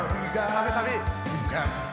サビサビ！